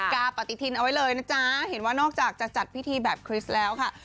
กาปฏิทินเอาไว้เลยนะจ๊ะเห็นว่านอกจากจะจัดพิธีแบบคริสต์แล้วค่ะ